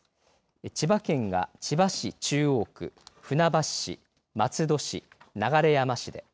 千葉県が千葉市中央区船橋市、松戸市、流山市で。